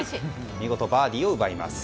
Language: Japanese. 見事バーディーを奪います。